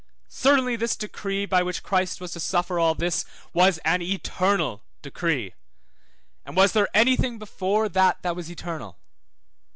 Certainly this decree by which Christ was to suffer all this was an eternal decree, and was there any thing before that that was eternal?